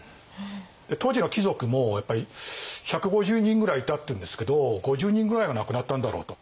で当時の貴族もやっぱり１５０人ぐらいいたっていうんですけど５０人ぐらいが亡くなったんだろうと。